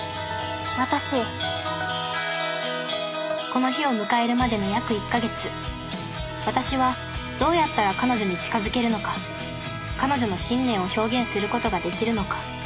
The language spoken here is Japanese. この日を迎えるまでの約１か月私はどうやったら彼女に近づけるのか彼女の信念を表現することができるのか